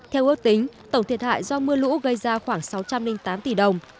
theo ước tính tổng thiệt hại do mưa lũ gây ra khoảng sáu trăm linh tám tỷ đồng